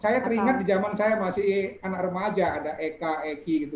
saya teringat di zaman saya masih anak remaja ada eka eki gitu